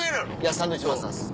サンドウィッチマンさんっす。